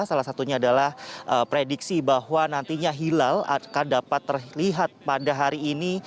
salah satunya adalah prediksi bahwa nantinya hilal akan dapat terlihat pada hari ini